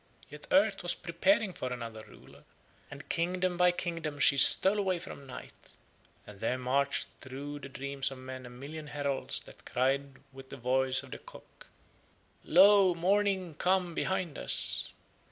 Yet earth was preparing for another ruler, and kingdom by kingdom she stole away from Night, and there marched through the dreams of men a million heralds that cried with the voice of the cock: "Lo! Morning come behind us."